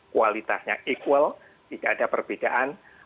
kualitasnya equal tidak ada perbedaan